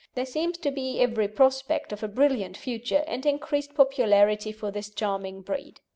There seems to be every prospect of a brilliant future, and increased popularity for this charming breed.